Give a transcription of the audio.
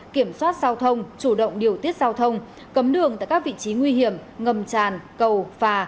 kiểm soát giao thông chủ động điều tiết giao thông cấm đường tại các vị trí nguy hiểm ngầm tràn cầu phà